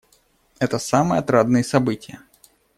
Это самые отрадные события.